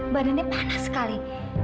badannya panas sekali